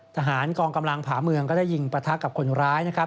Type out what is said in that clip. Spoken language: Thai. ทหารกองกำลังผ่าเมืองก็ได้ยิงปะทะกับคนร้ายนะครับ